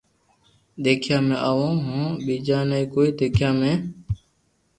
دآکيا ۾ آووہ ھون ٻيجا ني ڪوئي ديکيا ۾